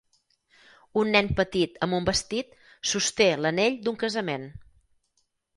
Un nen petit amb un vestit sosté l'anell d'un casament